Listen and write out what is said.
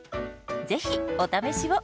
ぜひお試しを！